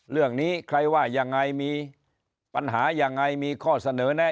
เรื่องนี้ใครว่ายังไงมีปัญหายังไงมีข้อเสนอแน่